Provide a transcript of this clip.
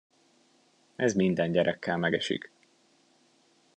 Ez minden gyerekkel megesik.